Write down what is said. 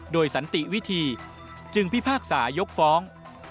โดยสันติวิธีจึงพิพากษายกฟ้อง